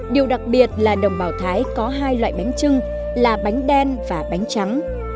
điều đặc biệt là đồng bào thái có hai loại bánh trưng là bánh đen và bánh trắng